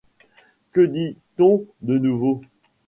Que dit-on de nouveau ?